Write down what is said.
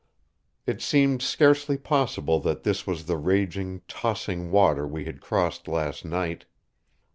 It seemed scarcely possible that this was the raging, tossing water we had crossed last night.